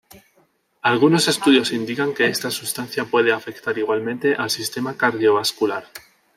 Algunos estudios indican que esta sustancia puede afectar igualmente al sistema cardiovascular.